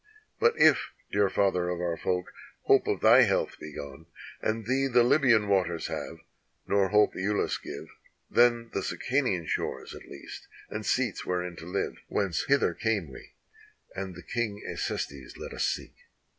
But if, dear father of our folk, hope of thy health be gone, And thee the Libyan waters have, nor hope lulus give, Then the Sicanian shores at least, and seats wherein to live, Whence hither came we, and the King Acestes let us seek."